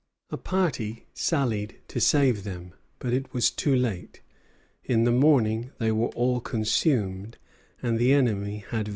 A party sallied to save them; but it was too late. In the morning they were all consumed, and the enemy had vanished.